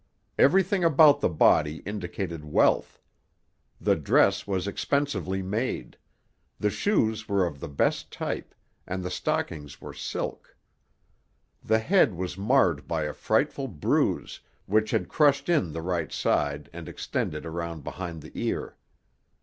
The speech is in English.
Everything about the body indicated wealth. The dress was expensively made. The shoes were of the best type, and the stockings were silk. The head was marred by a frightful bruise which had crushed in the right side and extended around behind the ear.